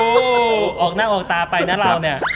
อาวุวววววออกหน้าออกตาไปนะเรานี่